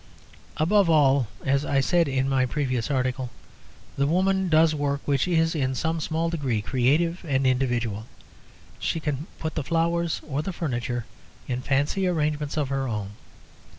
Above all, as I said in my previous article, the woman does work which is in some small degree creative and individual. She can put the flowers or the furniture in fancy arrangements of her own.